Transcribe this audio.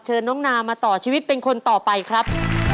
น้องนามาต่อชีวิตเป็นคนต่อไปครับ